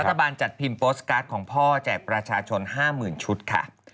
รัฐบาลจัดพิมพ์โปสตการ์ดของพ่อแจกประชาชน๕๐๐๐ชุดค่ะ